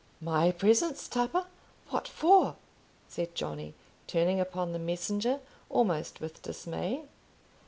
"My presence, Tupper! what for?" said Johnny, turning upon the messenger almost with dismay.